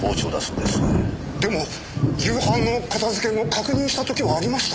でも夕飯の片づけの確認した時はありました。